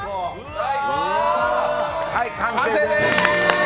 はい、完成です。